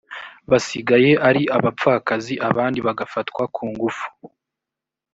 basigaye ari abapfakazi abandi bagafatwa ku ngufu